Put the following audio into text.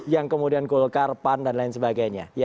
yang kemudian golkar pan dan lain sebagainya